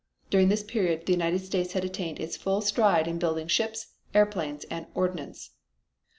During this period the United States had attained its full stride in building ships, airplanes and ordnance.